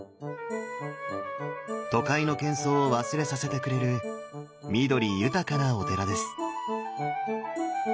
都会のけん騒を忘れさせてくれる緑豊かなお寺です。